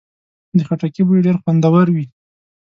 د خټکي بوی ډېر خوندور وي.